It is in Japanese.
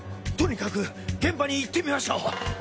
とにかく現場に行ってみましょう。